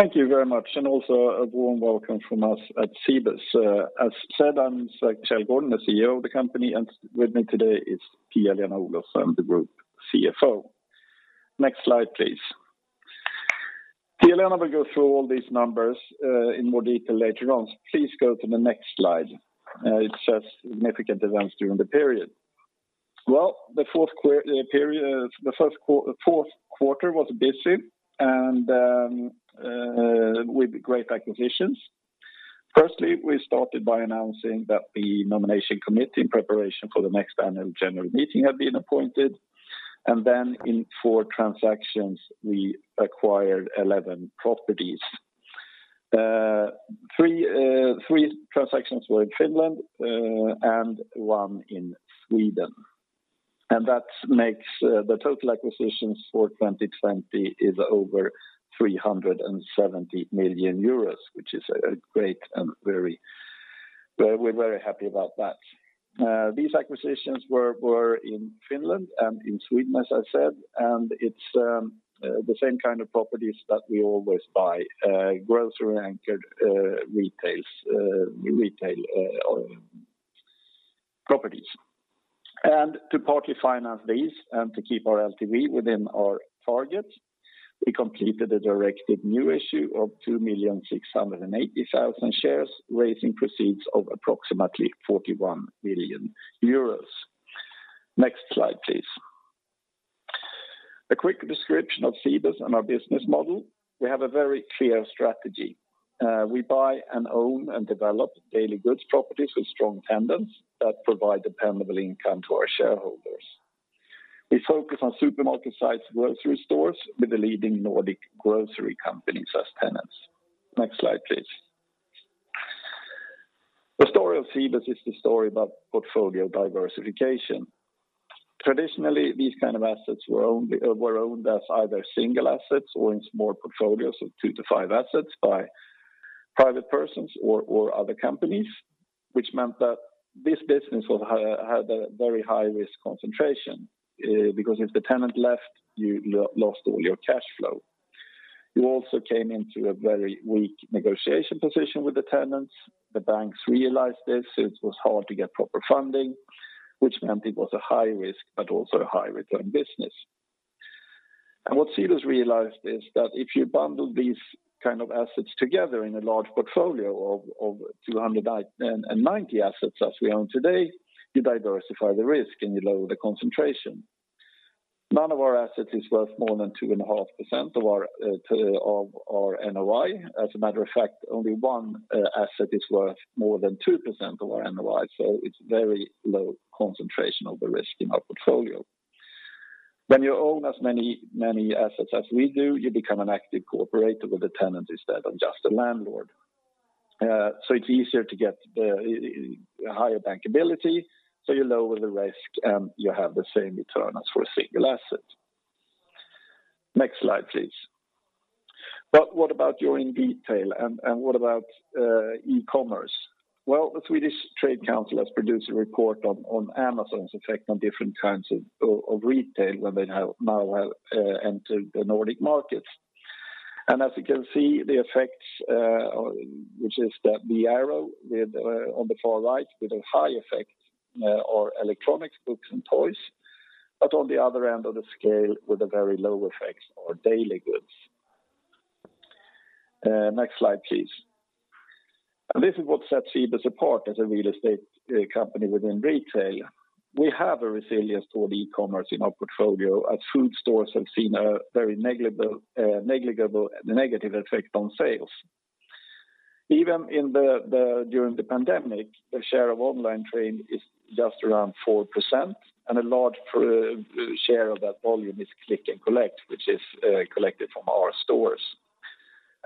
Thank you very much, and also a warm welcome from us at Cibus. As said, I'm Sverker Källgården, the CEO of the company, and with me today is Pia-Lena Olofsson, the Group CFO. Next slide, please. Pia-Lena will go through all these numbers in more detail later on. Please go to the next slide. It says significant events during the period. Well, the fourth quarter was busy and with great acquisitions. Firstly, we started by announcing that the nomination committee in preparation for the next annual general meeting had been appointed, and then in four transactions, we acquired 11 properties. Three transactions were in Finland and one in Sweden. That makes the total acquisitions for 2020 is over 370 million euros, which is great and we're very happy about that. These acquisitions were in Finland and in Sweden, as I said. It's the same kind of properties that we always buy, grocery-anchored retail properties. To partly finance these and to keep our LTV within our target, we completed a directed new issue of 2,680,000 shares, raising proceeds of approximately 41 million euros. Next slide, please. A quick description of Cibus and our business model. We have a very clear strategy. We buy and own and develop daily goods properties with strong tenants that provide dependable income to our shareholders. We focus on supermarket-sized grocery stores with the leading Nordic grocery companies as tenants. Next slide, please. The story of Cibus is the story about portfolio diversification. Traditionally, these kind of assets were owned as either single assets or in small portfolios of two to five assets by private persons or other companies, which meant that this business had a very high-risk concentration because if the tenant left, you lost all your cash flow. You also came into a very weak negotiation position with the tenants. The banks realized this. It was hard to get proper funding, which meant it was a high-risk but also a high-return business. What Cibus realized is that if you bundle these kind of assets together in a large portfolio of 290 assets as we own today, you diversify the risk and you lower the concentration. None of our assets is worth more than 2.5% of our NOI. As a matter of fact, only one asset is worth more than 2% of our NOI, so it's very low concentration of the risk in our portfolio. When you own as many assets as we do, you become an active collaborator with the tenant instead of just a landlord. It's easier to get a higher bankability, so you lower the risk and you have the same return as for a single asset. Next slide, please. What about during detail, and what about e-commerce? Well, Business Sweden has produced a report on Amazon's effect on different kinds of retail when they now have entered the Nordic markets. As you can see, the effects, which is the arrow on the far right with a high effect or electronics, books, and toys, but on the other end of the scale with a very low effect or daily goods. Next slide, please. This is what sets Cibus apart as a real estate company within retail. We have a resilience toward e-commerce in our portfolio as food stores have seen a very negative effect on sales. Even during the pandemic, the share of online trade is just around 4%, and a large share of that volume is click and collect, which is collected from our stores.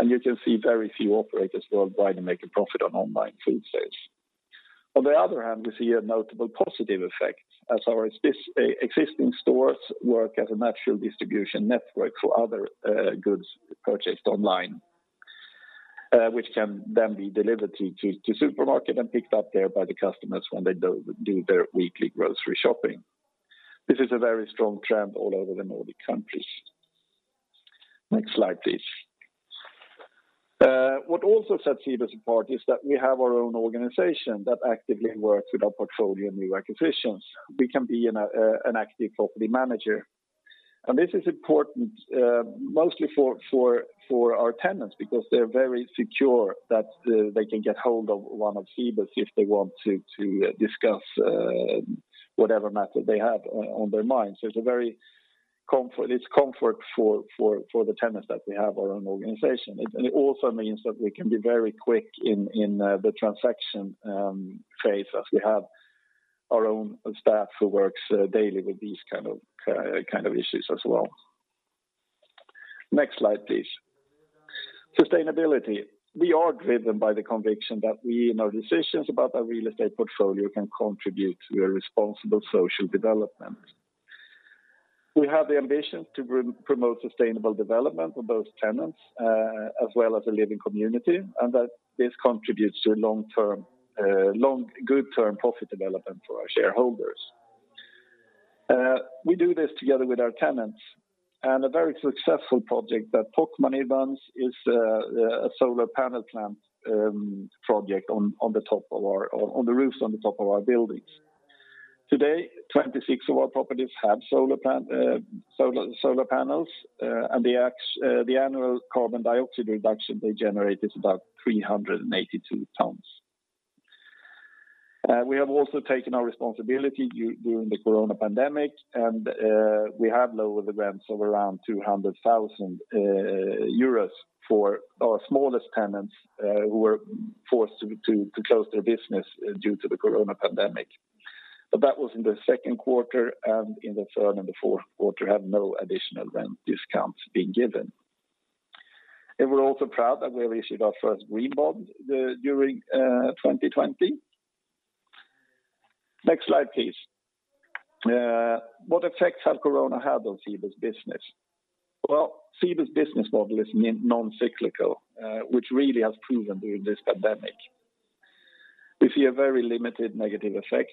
You can see very few operators worldwide are making profit on online food sales. On the other hand, we see a notable positive effect as our existing stores work as a natural distribution network for other goods purchased online, which can then be delivered to supermarket and picked up there by the customers when they do their weekly grocery shopping. This is a very strong trend all over the Nordic countries. Next slide, please. What also sets Cibus apart is that we have our own organization that actively works with our portfolio and new acquisitions. We can be an active property manager. This is important mostly for our tenants because they're very secure that they can get hold of one of Cibus if they want to discuss whatever matter they have on their minds. It's comfort for the tenants that we have our own organization. It also means that we can be very quick in the transaction phase as we have our own staff who works daily with these kind of issues as well. Next slide, please. Sustainability. We are driven by the conviction that we in our decisions about our real estate portfolio can contribute to a responsible social development. We have the ambition to promote sustainable development for both tenants, as well as the living community, and that this contributes to a good term profit development for our shareholders. We do this together with our tenants. A very successful project that Tokmanni runs is a solar panel plant project on the roofs on the top of our buildings. Today, 26 of our properties have solar panels, and the annual carbon dioxide reduction they generate is about 382 tons. We have also taken our responsibility during the COVID pandemic, and we have lowered the rents of around 200,000 euros for our smallest tenants who were forced to close their business due to the COVID pandemic. That was in the second quarter, and in the third and the fourth quarter have no additional rent discounts being given. We're also proud that we have issued our first green bond during 2020. Next slide, please. What effects has COVID had on Cibus business? Well, Cibus business model is non-cyclical, which really has proven during this pandemic. We see a very limited negative effect.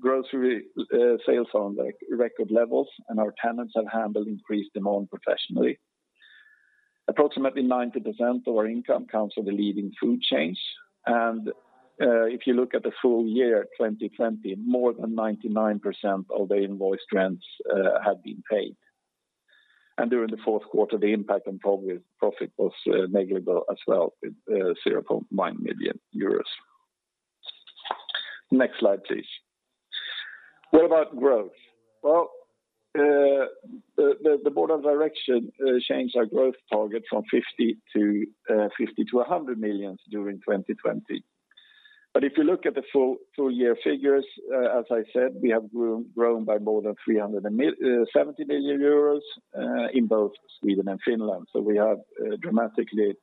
Grocery sales are on record levels, and our tenants have handled increased demand professionally. Approximately 90% of our income comes from the leading food chains. If you look at the full year 2020, more than 99% of the invoiced rents have been paid. During the fourth quarter, the impact on profit was negligible as well with 0.9 million euros. Next slide, please. What about growth? Well, the board of direction changed our growth target from 50 million-100 million during 2020. If you look at the full year figures, as I said, we have grown by more than 370 million euros in both Sweden and Finland. We have dramatically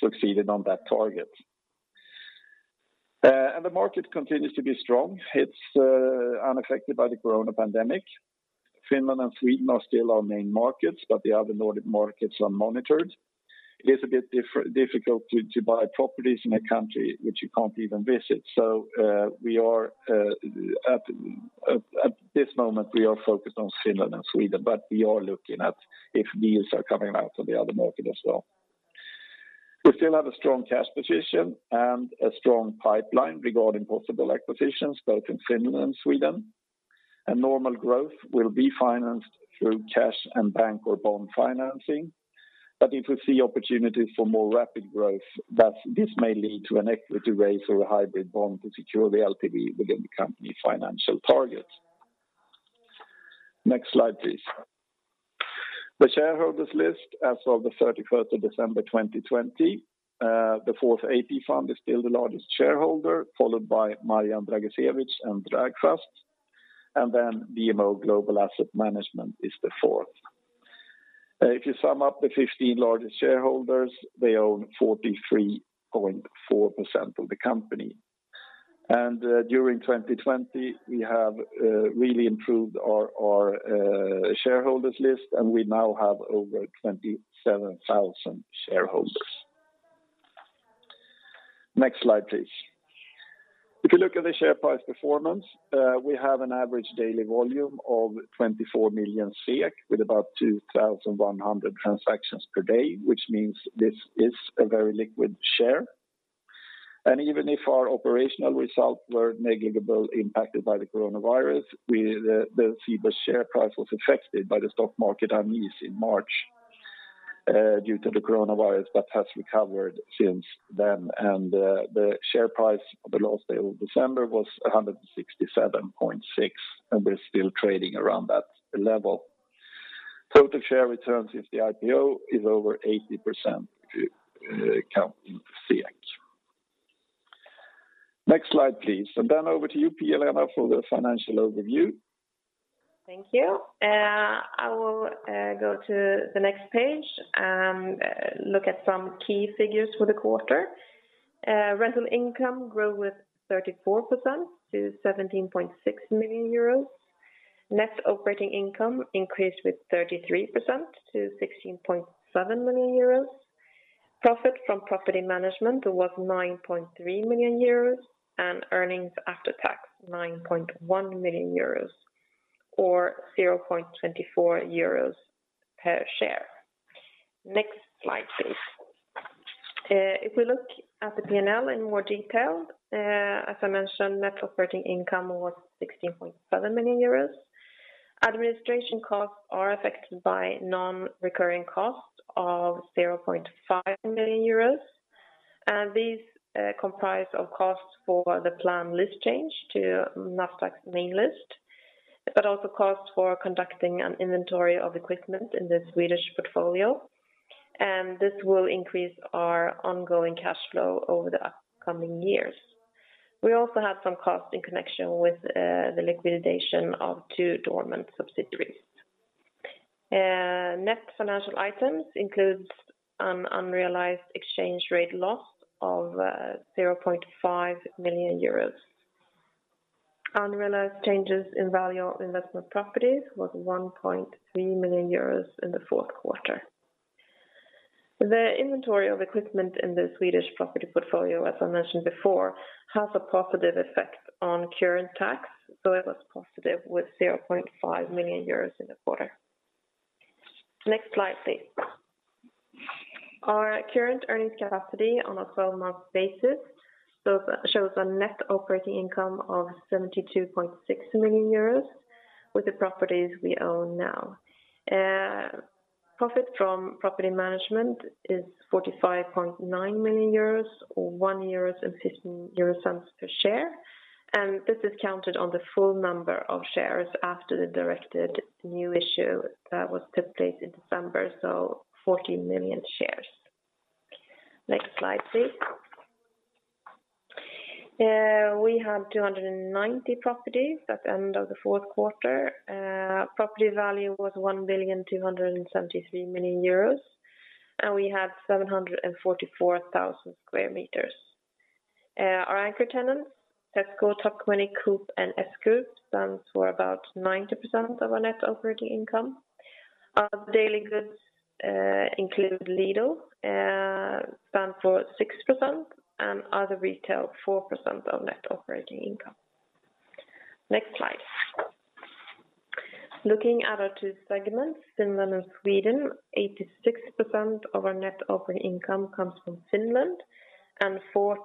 succeeded on that target. The market continues to be strong. It's unaffected by the COVID pandemic. Finland and Sweden are still our main markets, but the other Nordic markets are monitored. It is a bit difficult to buy properties in a country which you can't even visit. At this moment, we are focused on Finland and Sweden, but we are looking at if deals are coming out on the other market as well. We still have a strong cash position and a strong pipeline regarding possible acquisitions, both in Finland and Sweden. Normal growth will be financed through cash and bank or bond financing. If we see opportunities for more rapid growth, thus this may lead to an equity raise or a hybrid bond to secure the LTV within the company financial targets. Next slide, please. The shareholders list as of the 31st of December 2020. The Fourth AP Fund is still the largest shareholder, followed by Marjan Dragicevic and Dragfast. BMO Global Asset Management is the fourth. If you sum up the 15 largest shareholders, they own 43.4% of the company. During 2020, we have really improved our shareholders list, and we now have over 27,000 shareholders. Next slide, please. If you look at the share price performance, we have an average daily volume of 24 million SEK with about 2,100 transactions per day, which means this is a very liquid share. Even if our operational results were negatively impacted by the coronavirus, the Cibus share price was affected by the stock market unease in March due to the coronavirus, but has recovered since then. The share price on the last day of December was 167.6, and we're still trading around that level. Total share returns since the IPO is over 80% in SEK. Next slide, please. Then over to you, Pia-Lena for the financial overview. Thank you. I will go to the next page and look at some key figures for the quarter. Rental income grew with 34% to 17.6 million euros. Net operating income increased with 33% to 16.7 million euros. Profit from property management was 9.3 million euros and earnings after tax 9.1 million euros or 0.24 euros per share. Next slide, please. If we look at the P&L in more detail, as I mentioned, net operating income was 16.7 million euros. Administration costs are affected by non-recurring costs of 0.5 million euros. These comprise of costs for the planned list change to Nasdaq's main list, but also costs for conducting an inventory of equipment in the Swedish portfolio. This will increase our ongoing cash flow over the upcoming years. We also had some costs in connection with the liquidation of two dormant subsidiaries. Net financial items includes an unrealized exchange rate loss of 0.5 million euros. Unrealized changes in value of investment properties was 1.3 million euros in the fourth quarter. The inventory of equipment in the Swedish property portfolio, as I mentioned before, has a positive effect on current tax, so it was positive with 7.5 million euros in the quarter. Next slide, please. Our current earnings capacity on a 12-month basis shows a net operating income of 72.6 million euros with the properties we own now. Profit from property management is 45.9 million euros or 1.15 euro per share. This is counted on the full number of shares after the directed new issue that took place in December, so 40 million shares. Next slide, please. We had 290 properties at the end of the fourth quarter. Property value was 1.273 billion euros, and we had 744,000 sq m. Our anchor tenants, Kesko, Tokmanni, Coop, and S Group, stand for about 90% of our net operating income. Our daily goods, including Lidl, stand for 6%, and other retail 4% of net operating income. Next slide. Looking at our two segments, Finland and Sweden, 86% of our net operating income comes from Finland and 14%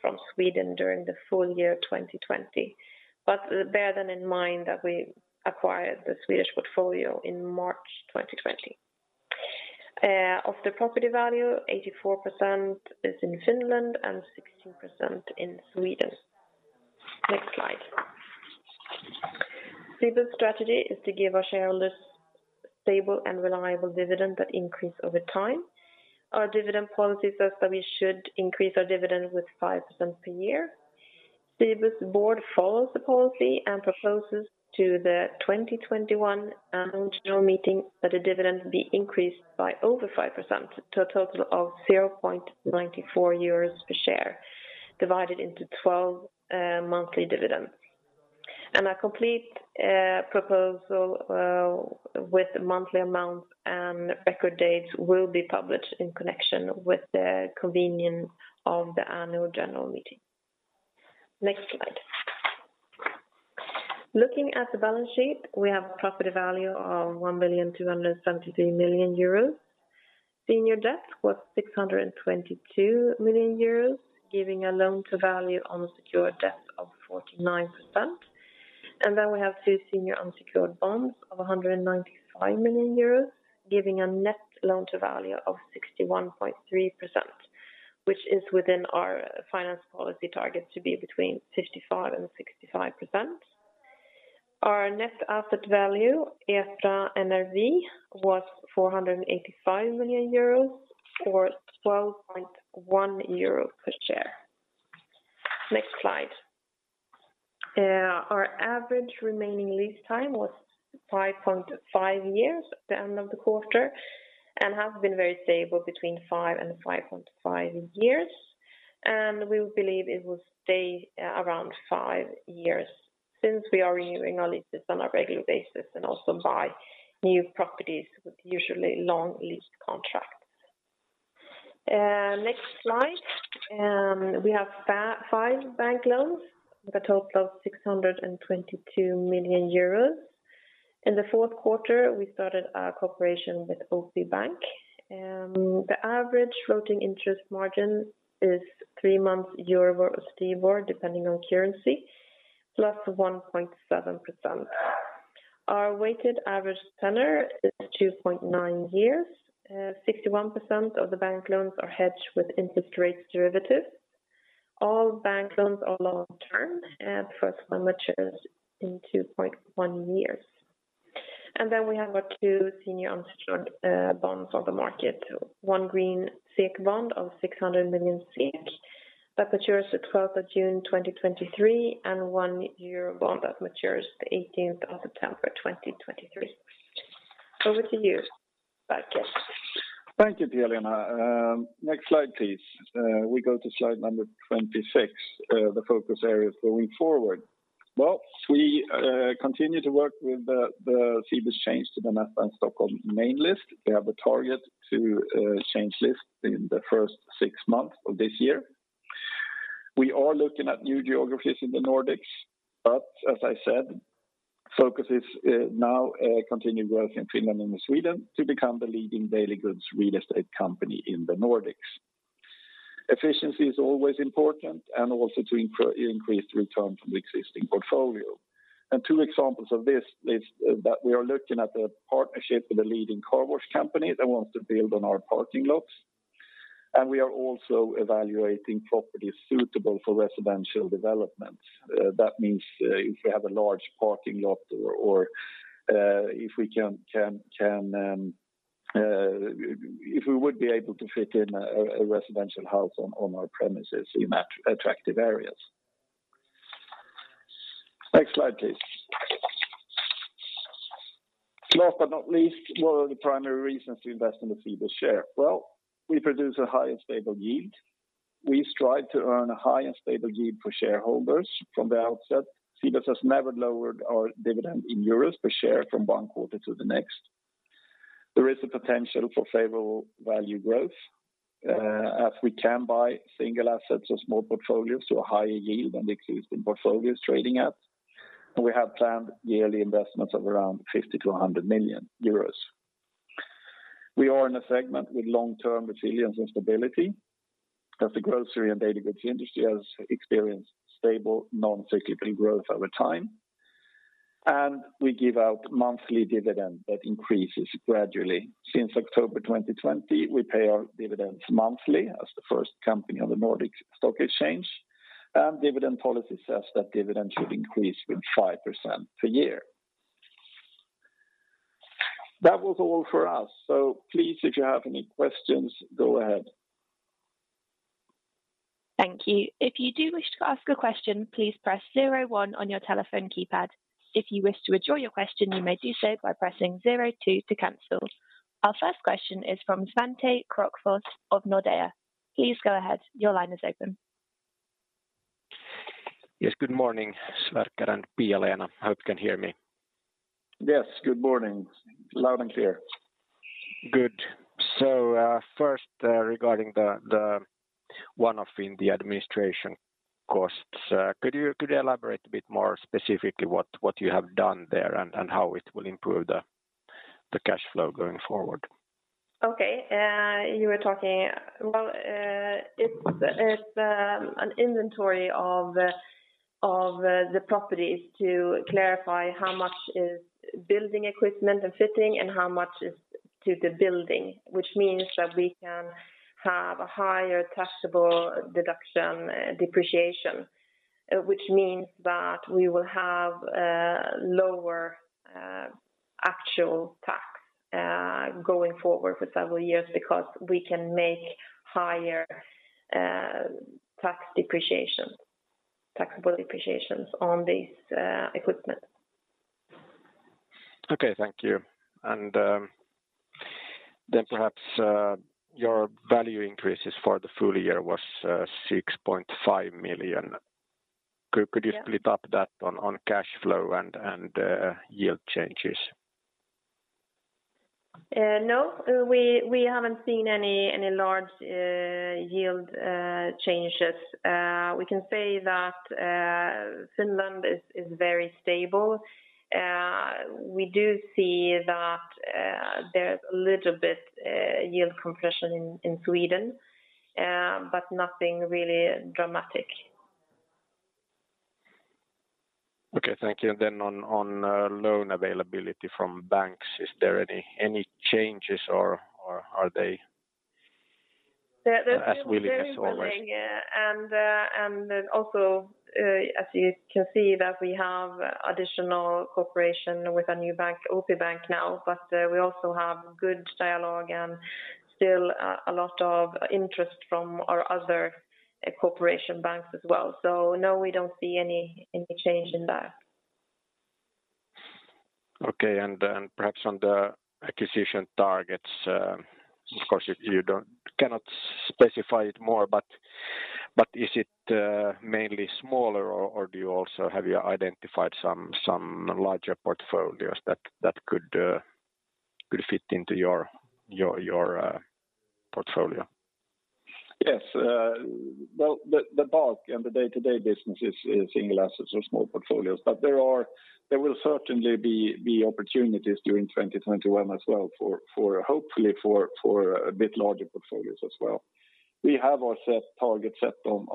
from Sweden during the full year 2020. Bear in mind that we acquired the Swedish portfolio in March 2020. Of the property value, 84% is in Finland and 16% in Sweden. Next slide. Cibus' strategy is to give our shareholders stable and reliable dividend that increase over time. Our dividend policy says that we should increase our dividend with 5% per year. Cibus board follows the policy and proposes to the 2021 annual general meeting that the dividend be increased by over 5% to a total of 0.94 euros per share, divided into 12 monthly dividends. A complete proposal with monthly amounts and record dates will be published in connection with the convening of the annual general meeting. Next slide. Looking at the balance sheet, we have a property value of 1.273 billion euros. Senior debt was 622 million euros, giving a loan to value on secured debt of 49%. Then we have two senior unsecured bonds of 195 million euros, giving a net loan to value of 61.3%, which is within our finance policy target to be between 55% and 65%. Our net asset value, EPRA NRV, was 485 million euros or 12.1 euros per share. Next slide. Our average remaining lease time was 5.5 years at the end of the quarter, and has been very stable between five and 5.5 years. We believe it will stay around five years since we are renewing our leases on a regular basis and also buy new properties with usually long lease contracts. Next slide. We have five bank loans with a total of 622 million euros. In the fourth quarter, we started our cooperation with OP Bank. The average floating interest margin is three months EURIBOR or STIBOR, depending on currency, +1.7%. Our weighted average tenor is 2.9 years. 61% of the bank loans are hedged with interest rates derivatives. All bank loans are long-term, and the first one matures in 2.1 years. Then we have our two senior unsecured bonds on the market. One green SEK bond of 600 million that matures the 12th of June 2023, and one euro bond that matures the 18th of September 2023. Over to you, Sverker. Thank you, Pia-Lena. Next slide, please. We go to slide number 26, the focus areas going forward. Well, we continue to work with the Cibus change to the Nasdaq Stockholm main list. We have a target to change lists in the first six months of this year. We are looking at new geographies in the Nordics, but as I said, focus is now continued growth in Finland and Sweden to become the leading daily goods real estate company in the Nordics. Efficiency is always important and also to increase return from existing portfolio. Two examples of this is that we are looking at a partnership with a leading car wash company that wants to build on our parking lots. We are also evaluating properties suitable for residential developments. That means if we have a large parking lot or if we would be able to fit in a residential house on our premises in attractive areas. Next slide, please. Last but not least, what are the primary reasons to invest in the Cibus share? Well, we produce a high and stable yield. We strive to earn a high and stable yield for shareholders from the outset. Cibus has never lowered our dividend in EUR per share from one quarter to the next. There is a potential for favorable value growth, as we can buy single assets or small portfolios to a higher yield than the existing portfolio is trading at. We have planned yearly investments of around 50 million-100 million euros. We are in a segment with long-term resilience and stability, as the grocery and daily goods industry has experienced stable, non-cyclical growth over time. We give out monthly dividend that increases gradually. Since October 2020, we pay our dividends monthly as the first company on the Nasdaq Nordic. Dividend policy says that dividend should increase with 5% per year. That was all for us. Please, if you have any questions, go ahead. Thank you. If you do wish to ask a question, please press zero one on your telephone keypad. If you wish to withdraw your question, you may do so by pressing zero two to cancel. Our first question is from Svante Krokfors of Nordea. Please go ahead. Your line is open. Yes, good morning, Sverker and Pia-Lena. Hope you can hear me. Yes, good morning. Loud and clear. Good. First regarding the one-off in the administration costs, could you elaborate a bit more specifically what you have done there and how it will improve the cash flow going forward? Okay. Well, it's an inventory of the properties to clarify how much is building equipment and fitting and how much is to the building, which means that we can have a higher taxable deduction depreciation. Which means that we will have a lower actual tax, going forward for several years because we can make higher tax depreciation, taxable depreciations on this equipment. Okay, thank you. Perhaps your value increases for the full year was 6.5 million. Yeah. Could you split up that on cash flow and yield changes? No. We haven't seen any large yield changes. We can say that Finland is very stable. We do see that there's a little bit yield compression in Sweden, but nothing really dramatic. Okay, thank you. On loan availability from banks, is there any changes or are they as willing as always? They're still very willing. Then also, as you can see that we have additional cooperation with a new bank, OP Bank now, but we also have good dialogue and still a lot of interest from our other cooperation banks as well. No, we don't see any change in that. Okay. Perhaps on the acquisition targets. Of course, you cannot specify it more, but is it mainly smaller or have you identified some larger portfolios that could fit into your portfolio? Yes. Well, the bulk and the day-to-day business is single assets or small portfolios. There will certainly be opportunities during 2021 as well, hopefully for a bit larger portfolios as well. We have our set target set on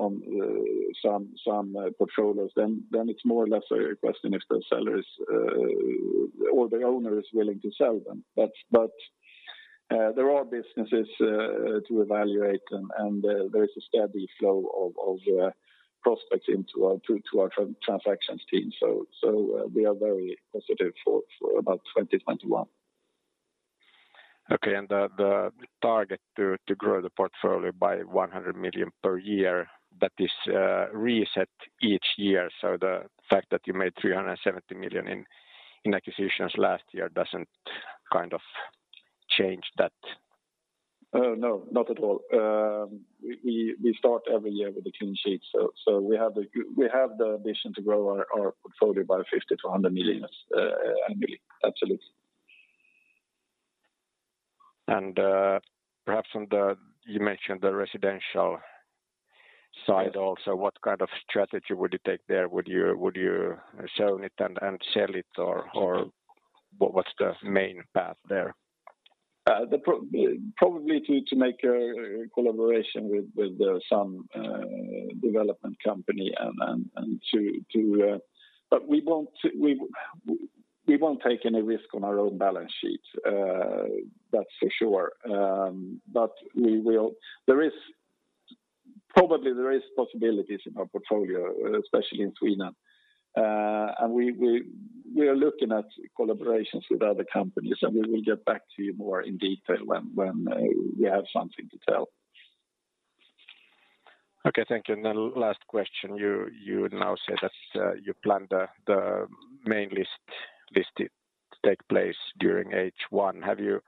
some portfolios. It's more or less a question if the sellers or the owner is willing to sell them. There are businesses to evaluate, and there is a steady flow of prospects into our transactions team. We are very positive for about 2021. Okay. The target to grow the portfolio by 100 million per year, but is reset each year, so the fact that you made 370 million in acquisitions last year doesn't kind of change that? No, not at all. We start every year with a clean sheet. We have the ambition to grow our portfolio by 50 million-100 million annually. Absolutely. Perhaps on the, you mentioned the residential side also. What kind of strategy would you take there? Would you own it and sell it, or what's the main path there? Probably to make a collaboration with some development company. We won't take any risk on our own balance sheet. That's for sure. Probably there is possibilities in our portfolio, especially in Sweden. We are looking at collaborations with other companies, and we will get back to you more in detail when we have something to tell. Okay, thank you. Last question. You would now say that you plan the mainly listed take place during H1. Have you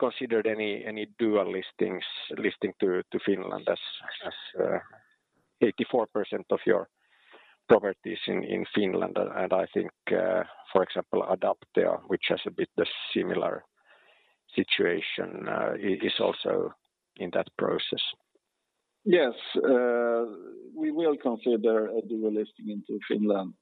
considered any dual listings, listing to Finland as 84% of your property is in Finland? I think, for example, Adapteo, which has a bit similar situation, is also in that process. Yes. We will consider a dual listing into Finland,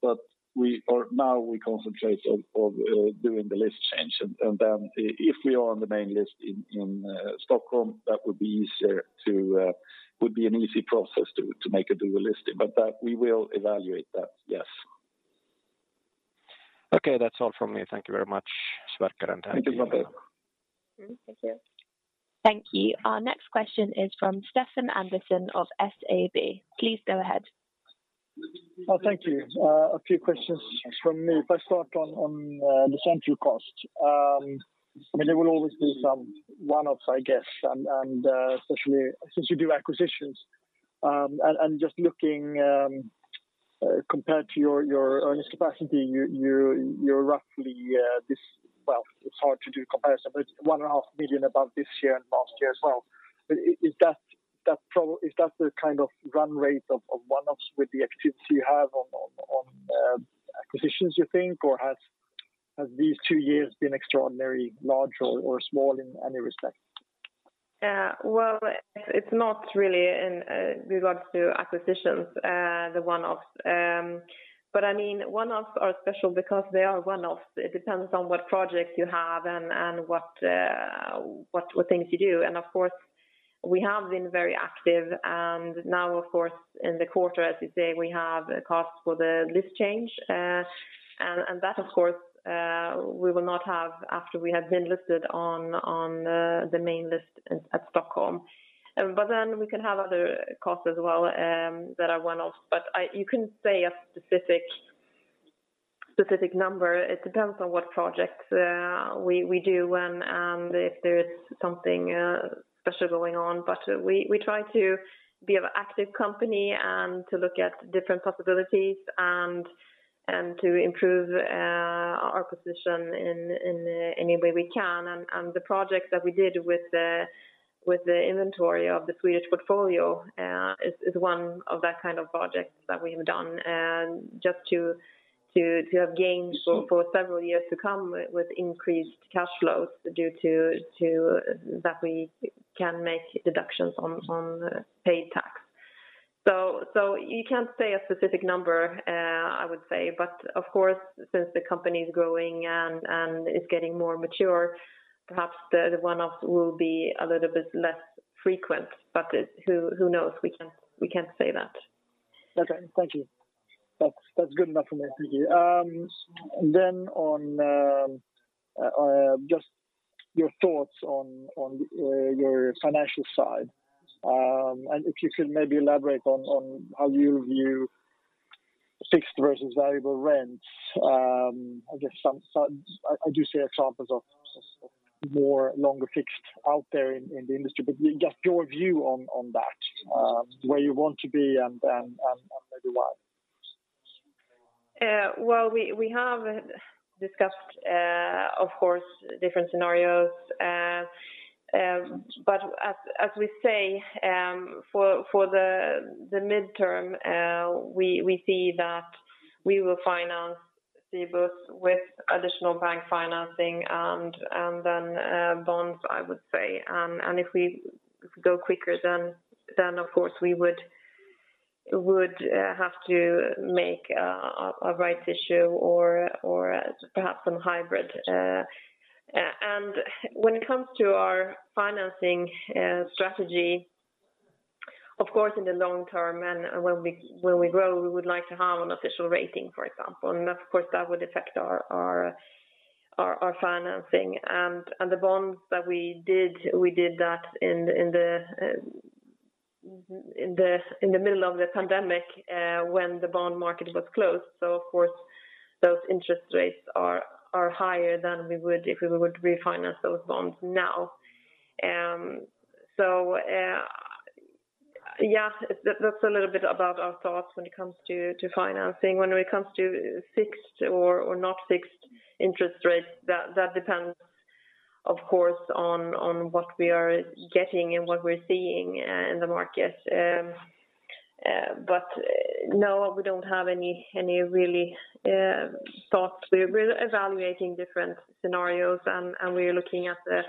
now we concentrate on doing the list change, and then if we are on the main list in Stockholm, that would be an easy process to make a dual listing. That we will evaluate that, yes. Okay. That's all from me. Thank you very much, Sverker, and thank you. Thank you, Svante. Thank you. Thank you. Our next question is from Stefan Andersson of SEB. Please go ahead. Thank you. A few questions from me. I start on the central cost. There will always be some one-offs, I guess, and especially since you do acquisitions. Just looking compared to your earnings capacity, you're roughly, it's hard to do comparison, but it's 1.5 million above this year and last year as well. Is that the kind of run rate of one-offs with the activity you have on acquisitions, you think, or have these two years been extraordinarily large or small in any respect? Well, it's not really in regards to acquisitions, the one-offs. One-offs are special because they are one-offs. It depends on what projects you have and what things you do. Of course, we have been very active, and now of course in the quarter, as you say, we have costs for the list change. That of course, we will not have after we have been listed on the main list at Stockholm. We can have other costs as well that are one-offs. You couldn't say a specific number. It depends on what projects we do when and if there is something special going on. We try to be an active company and to look at different possibilities and to improve our position in any way we can. The project that we did with the inventory of the Swedish portfolio is one of that kind of projects that we have done. Just to have gained for several years to come with increased cash flows due to that we can make deductions on paid tax. You can't say a specific number, I would say. Of course, since the company's growing and is getting more mature, perhaps the one-off will be a little bit less frequent. Who knows? We can't say that. Okay. Thank you. That is good enough for me. Thank you. On just your thoughts on your financial side, and if you could maybe elaborate on how you view fixed versus variable rents. I do see examples of more longer fixed out there in the industry, but just your view on that, where you want to be and maybe why. Well, we have discussed, of course, different scenarios. As we say for the midterm, we see that we will finance Cibus with additional bank financing and then bonds, I would say. If we go quicker then of course we would have to make a rights issue or perhaps some hybrid. When it comes to our financing strategy, of course, in the long term and when we grow, we would like to have an official rating, for example. Of course, that would affect our financing. The bonds that we did, we did that in the middle of the pandemic, when the bond market was closed. Of course, those interest rates are higher than we would if we were to refinance those bonds now. Yeah, that's a little bit about our thoughts when it comes to financing. When it comes to fixed or not fixed interest rates, that depends of course on what we are getting and what we're seeing in the market. No, we don't have any really thoughts. We're evaluating different scenarios, and we are looking at the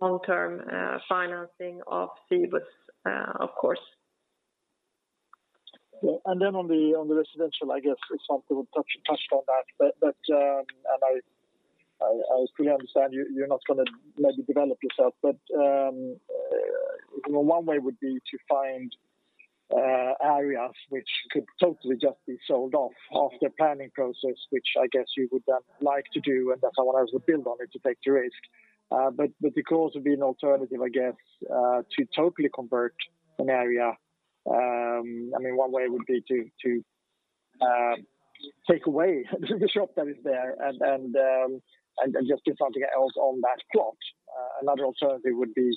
long-term financing of Cibus, of course. Yeah. Then on the residential, I guess example, we touched on that. I fully understand you're not going to maybe develop this out, but one way would be to find areas which could totally just be sold off after planning process, which I guess you would then like to do, and that's how otherwise would build on it to take your risk. Because of being alternative, I guess, to totally convert an area, one way would be to take away the shop that is there and just to try to get else on that plot. Another alternative would be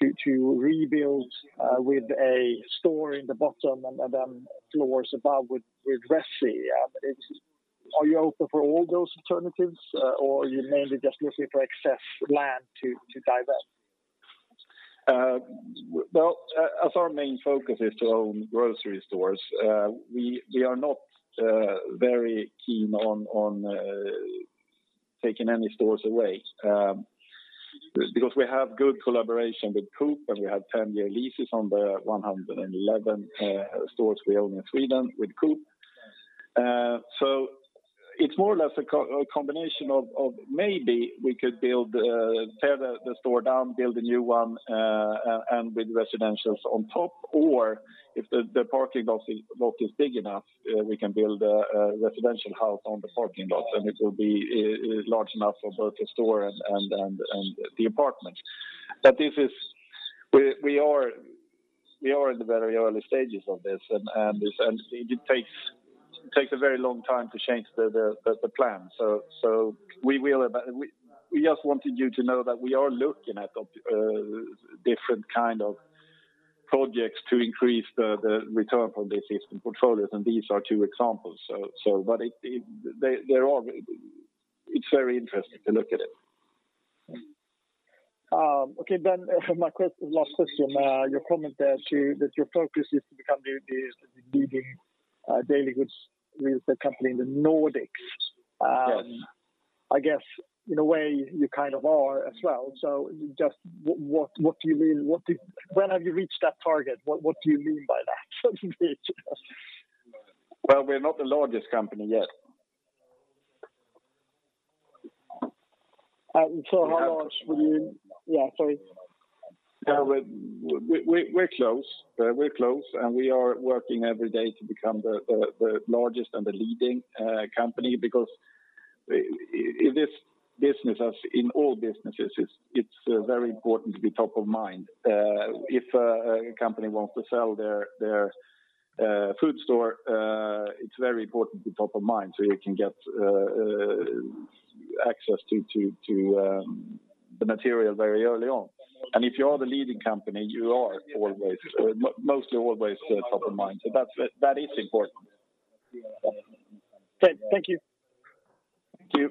to rebuild with a store in the bottom and then floors above with resi. Are you open for all those alternatives or are you mainly just looking for excess land to divest? Well, as our main focus is to own grocery stores, we are not very keen on taking any stores away. We have good collaboration with Coop, and we have 10-year leases on the 111 stores we own in Sweden with Coop. It's more or less a combination of maybe we could tear the store down, build a new one, and with residentials on top. If the parking lot is big enough, we can build a residential house on the parking lot, and it will be large enough for both the store and the apartment. We are in the very early stages of this, and it takes a very long time to change the plan. We just wanted you to know that we are looking at different kind of projects to increase the return from the existing portfolios, and these are two examples. It's very interesting to look at it. Okay. For my last question, your comment there that your focus is to become the leading daily goods retail company in the Nordics. Yes. I guess in a way you kind of are as well. Just when have you reached that target? What do you mean by that? Well, we're not the largest company yet. How large would you. Yeah, sorry. We're close. We're close, and we are working every day to become the largest and the leading company because in this business, as in all businesses, it's very important to be top of mind. If a company wants to sell their food store, it's very important to be top of mind so you can get access to the material very early on. If you are the leading company, you are mostly always top of mind. That is important. Okay. Thank you. Thank you.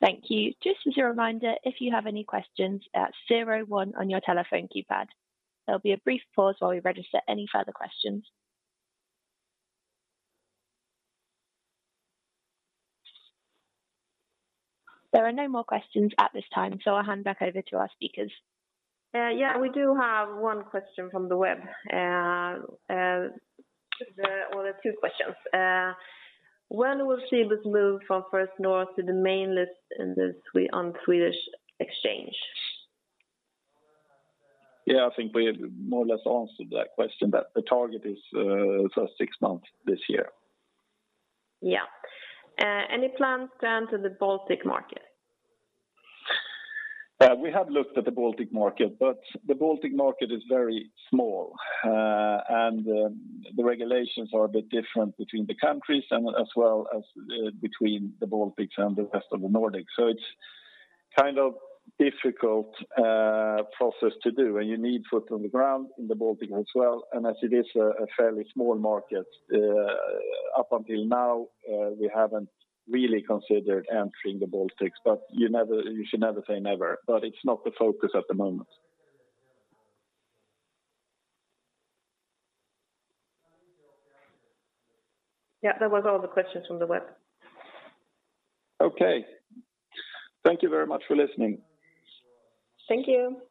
Thank you. Just as a reminder, if you have any questions, at zero one on your telephone keypad. There'll be a brief pause while we register any further questions. There are no more questions at this time. I'll hand back over to our speakers. Yeah, we do have one question from the web. Well, there are two questions. When will Cibus move from First North to the main list on Swedish exchange? Yeah, I think we more or less answered that question, but the target is first six months this year. Yeah. Any plans to enter the Baltic market? We have looked at the Baltic market, but the Baltic market is very small. The regulations are a bit different between the countries and as well as between the Baltics and the rest of the Nordics. It's kind of difficult process to do, and you need foot on the ground in the Baltic as well. As it is a fairly small market, up until now, we haven't really considered entering the Baltics. You should never say never, but it's not the focus at the moment. Yeah, that was all the questions from the web. Okay. Thank you very much for listening. Thank you.